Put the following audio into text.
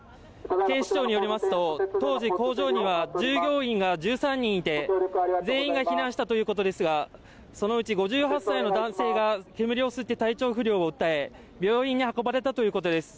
警視庁によりますと当時工場には従業員が１３人で全員が避難したということですがそのうち５８歳の男性が煙を吸って体調不良を訴え病院に運ばれたということです